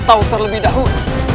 kita harus selebih dahulu